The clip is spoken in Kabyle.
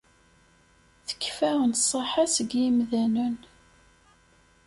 Tekfa nnṣaḥa seg yimdanen.